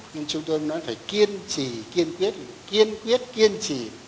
nhưng chúng tôi nói phải kiên trì kiên quyết kiên quyết kiên trì